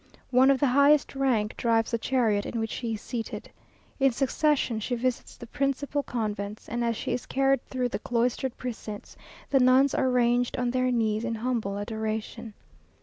One of the highest rank drives the chariot in which she is seated. In succession she visits the principal convents, and as she is carried through the cloistered precincts, the nuns are ranged on their knees in humble adoration.